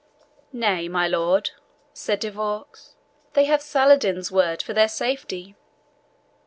"Nay, my lord," said De Vaux, "they have Saladin's word for their safety."